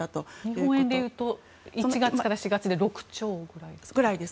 日本円でいうと１月から６月で６兆くらいですか。